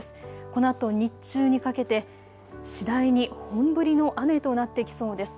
このあと日中にかけて次第に本降りの雨となってきそうです。